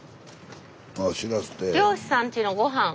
「漁師さんちのごはん」。